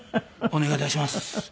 お願い致します。